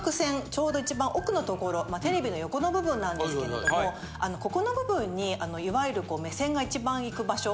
ちょうど一番奥のところテレビの横の部分なんですけれどもここの部分にいわゆる目線が一番いく場所